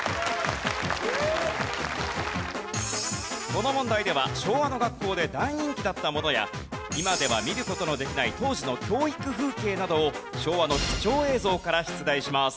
この問題では昭和の学校で大人気だったものや今では見る事のできない当時の教育風景などを昭和の貴重映像から出題します。